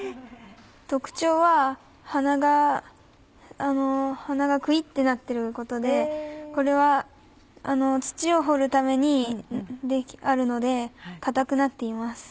特徴は鼻がクイってなってることでこれは土を掘るためにあるので硬くなっています。